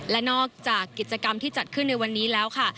และนอกจากกิจกรรมที่จัดขึ้นในวันนี้แล้วค่ะ